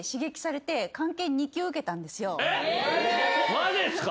マジっすか？